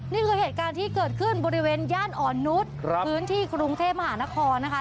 นี่คือเหตุการณ์ที่เกิดขึ้นบริเวณย่านอ่อนนุษย์พื้นที่กรุงเทพมหานครนะคะ